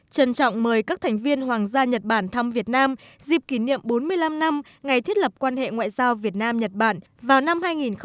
trân trọng mời các thành viên hoàng gia nhật bản thăm việt nam dịp kỷ niệm bốn mươi năm năm ngày thiết lập quan hệ ngoại giao việt nam nhật bản vào năm hai nghìn hai mươi